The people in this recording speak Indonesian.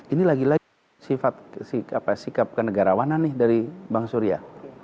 ini lagi lagi sikap kenegarawanan dari bang surya